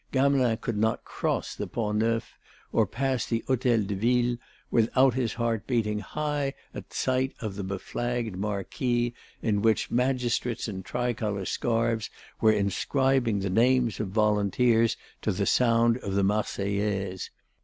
Gamelin could not cross the Pont Neuf or pass the Hôtel de Ville without his heart beating high at sight of the beflagged marquee in which magistrates in tricolour scarves were inscribing the names of volunteers to the sound of the Marseillaise.